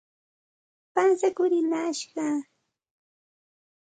Pasakurillashqaa.